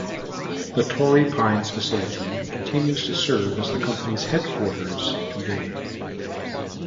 The Torrey Pines facility continues to serve as the company's headquarters today.